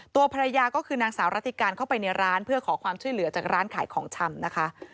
ตัวภรรยาก็คือนางสาวรัติการเข้าไปในร้านเพื่อขอความช่วยเหลือจากร้านขายของชำนะคะ